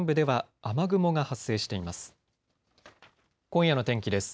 今夜の天気です。